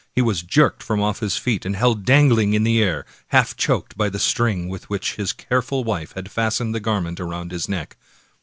He was jerked from off his feet, and held dangling in the air, half choked by the string with which his careful wife had fastened the garment around his neck.